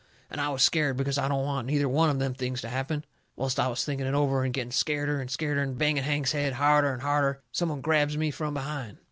And I was scared, because I don't want neither one of them things to happen. Whilst I was thinking it over, and getting scareder and scareder, and banging Hank's head harder and harder, some one grabs me from behind.